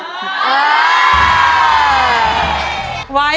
ไหวไหม